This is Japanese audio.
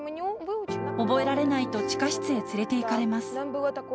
覚えられないと地下室へ連れていかれます。